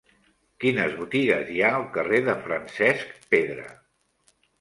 Quines botigues hi ha al carrer de Francesc Pedra?